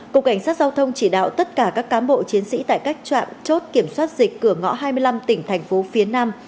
cục cảnh sát giao thông chỉ đạo tất cả các cám bộ chiến sĩ tại các trạm chốt kiểm soát dịch cửa ngõ hai mươi năm tỉnh thành phố phía nam